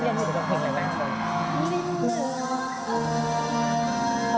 แสงจรรย์นุ่นเผลอเพลงอยู่แล้ว